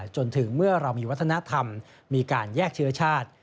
จนถึงเมื่อเรามีวัฒนธรรมมีการแยกเชื้อชาติ